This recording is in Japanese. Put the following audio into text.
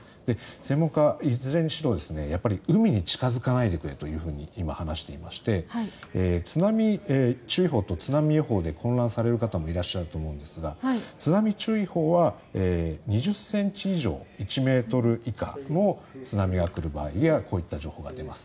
専門家はいずれにしろ海に近付かないでくれと今、話していまして津波注意報と津波予報で混乱される方もいらっしゃると思うんですが津波注意報は２０ｃｍ以上１ｍ以下の津波が来る場合にはこういった情報が出ます。